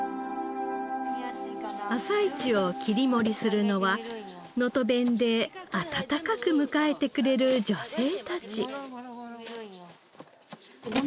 朝市を切り盛りするのは能登弁で温かく迎えてくれる女性たち。